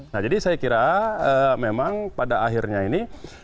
nah jadi saya kira memang pada akhirnya ini